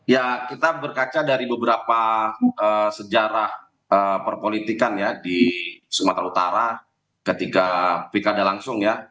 ya kita berkaca dari beberapa sejarah perpolitikan ya di sumatera utara ketika pilkada langsung ya